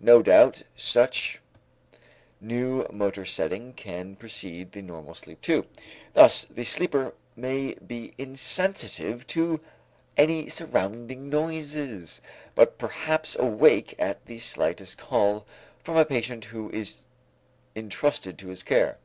No doubt, such new motor setting can precede the normal sleep too; thus the sleeper may be insensitive to any surrounding noises, but perhaps awake at the slightest call from a patient who is intrusted to his care.